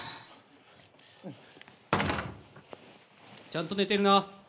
・・ちゃんと寝てるな？